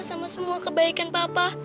sama semua kebaikan papa